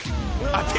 あ！